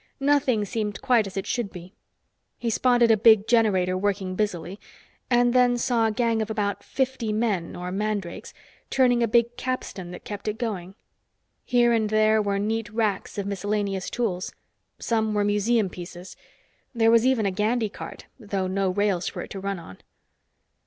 Nothing seemed quite as it should be. He spotted a big generator working busily and then saw a gang of about fifty men, or mandrakes, turning a big capstan that kept it going. Here and there were neat racks of miscellaneous tools. Some were museum pieces. There was even a gandy cart, though no rails for it to run on.